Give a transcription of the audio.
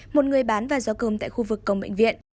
một người bán và do cơm tại khu vực công bệnh viện